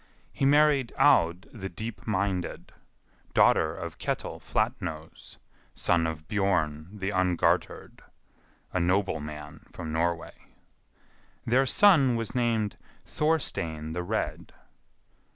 He married Aud the Deep minded, daughter of Ketil Flatnose, son of Bjorn the Ungartered, a noble man from Norway. Their son was named Thorstein the Red.